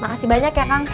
makasih banyak ya kang